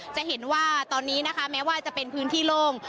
จะเห็นว่าตอนนี้นะคะแม้ว่าจะเป็นพื้นที่โล่ง